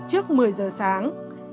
trước một mươi giờ sáng